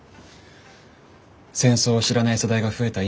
戦争を知らない世代が増えた